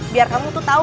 biar kamu tuh tau